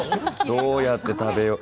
どうやって食べよう？